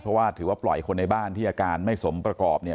เพราะว่าถือว่าปล่อยคนในบ้านที่อาการไม่สมประกอบเนี่ย